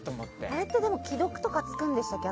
あれって既読とかつくんでしたっけ？